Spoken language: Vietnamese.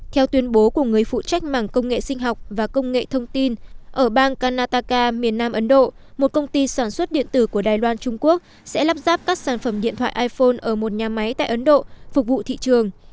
theo tuyên bố của người phụ trách mảng công nghệ sinh học và công nghệ thông tin ở bang kanataka miền nam ấn độ một công ty sản xuất điện tử của đài loan trung quốc sẽ lắp ráp các sản phẩm điện thoại iphone ở một nhà máy tại ấn độ phục vụ thị trường